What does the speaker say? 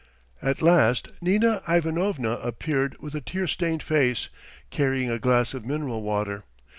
At last Nina Ivanovna appeared with a tear stained face, carrying a glass of mineral water.